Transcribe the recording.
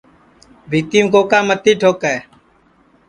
بھِیتِیم کوکا متی ٹھوکے